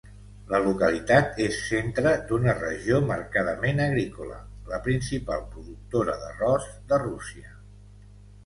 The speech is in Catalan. La localitat és centre d'una regió marcadament agrícola, la principal productora d'arròs de Rússia.